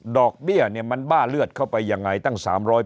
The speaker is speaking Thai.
ดอกเบี้ยเนี่ยมันบ้าเลือดเข้าไปยังไงตั้ง๓๐๐